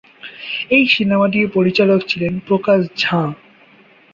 এই সিনেমাটির পরিচালক ছিলেন প্রকাশ ঝা।